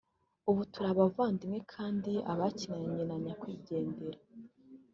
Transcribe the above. ubu turi abavandimwe kandi abakinannye na nyakwigendera